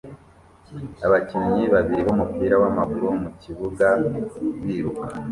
Abakinnyi babiri bumupira wamaguru mukibuga biruka